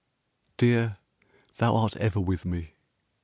Dear, thou art ever with me.